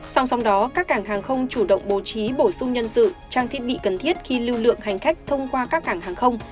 song song đó các cảng hàng không chủ động bố trí bổ sung nhân sự trang thiết bị cần thiết khi lưu lượng hành khách thông qua các cảng hàng không